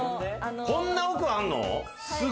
こんな奥あんの！